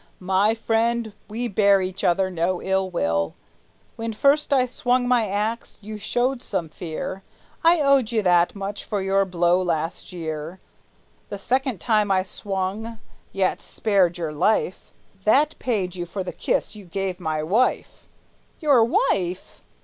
"My friend, we bear each other no ill will. When first I swung my axe, you showed some fear; I owed you that much for your blow last year. The second time I swung, yet spared your life, That paid you for the kiss you gave my wife!" "Your wife!"